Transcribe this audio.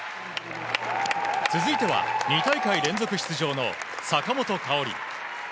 続いては２大会連続出場の坂本花織。